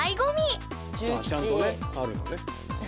まあちゃんとねあるのね。